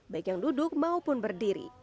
baik yang duduk maupun berdiri